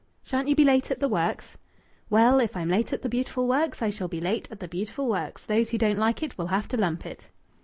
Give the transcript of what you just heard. "Shan't you be late at the works?" "Well, if I'm late at the beautiful works I shall be late at the beautiful works. Those who don't like it will have to lump it."